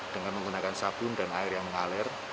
dengan menggunakan sabun dan air yang mengalir